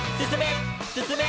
「すすめ！